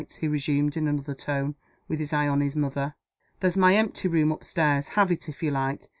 he resumed, in another tone, with his eye on his mother. "There's my empty room up stairs. Have it, if you like.